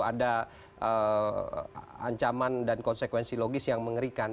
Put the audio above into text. ada ancaman dan konsekuensi logis yang mengerikan